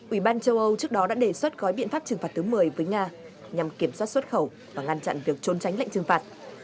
ủy ban châu âu trước đó đã đề xuất gói biện pháp trừng phạt thứ một mươi với nga nhằm kiểm soát xuất khẩu và ngăn chặn việc trốn tránh lệnh trừng phạt